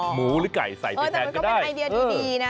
หมูหรือไก่ใส่ไปแทนก็ได้แต่มันก็เป็นไอเดียดีนะ